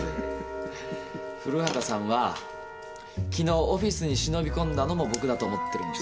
古畑さんはきのうオフィスに忍び込んだのも僕だと思ってるんですよ。